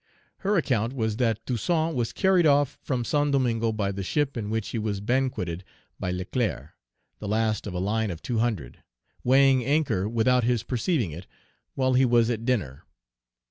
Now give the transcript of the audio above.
Her account was that Toussaint was carried off from Saint Domingo by the ship in which he was banqueted by Leclerc (the last of a line of two hundred), weighing anchor without his perceiving it, while he was at dinner.